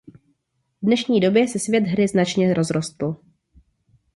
V dnešní době se svět hry značně rozrostl.